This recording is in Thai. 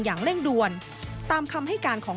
อย่างเร่งด่วนตามคำให้การของ